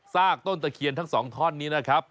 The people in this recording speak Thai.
กต้นตะเคียนทั้ง๒ท่อนนี้นะครับ